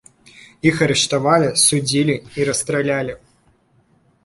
Іх арыштавалі, судзілі і расстралялі.